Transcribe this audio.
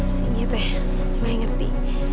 ini ya teh maya ngerti